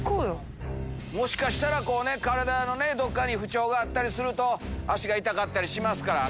もしかしたら体のどっかに不調があったりすると足が痛かったりしますから。